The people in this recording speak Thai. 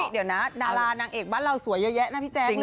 เดี๋ยวนะดารานางเอกบ้านเราสวยเยอะแยะนะพี่แจ๊ค